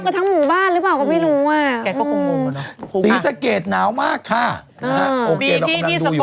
มือแข็งมือชาติอะไรหมดแล้วนะอ่ะช่วงหน้าคุณผู้ชม